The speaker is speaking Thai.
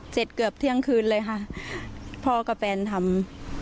เกือบเที่ยงคืนเลยค่ะพ่อกับแฟนทำ